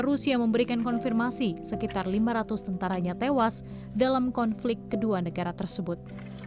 rusia memberikan konfirmasi sekitar lima ratus tentaranya tewas dalam konflik kedua negara tersebut